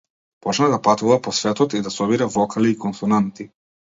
Почна да патува по светот и да собира вокали и консонанти.